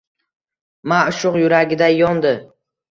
Ma’shuq yuragiday yondi!